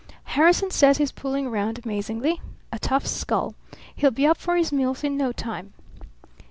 "Harrison says he's pulling round amazingly. A tough skull. He'll be up for his meals in no time."